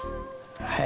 はい。